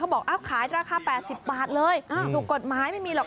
บอกขายราคา๘๐บาทเลยถูกกฎหมายไม่มีหรอก